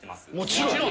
もちろん。